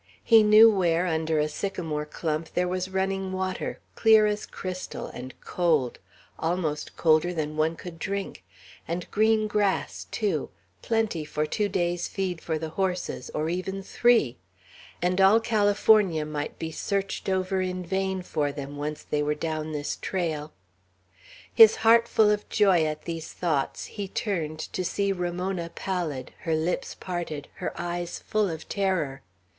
He knew where, under a sycamore clump, there was running water, clear as crystal, and cold, almost colder than one could drink, and green grass too; plenty for two days' feed for the horses, or even three; and all California might be searched over in vain for them, once they were down this trail. His heart full of joy at these thoughts, he turned, to see Ramona pallid, her lips parted, her eyes full of terror.